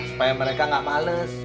supaya mereka gak males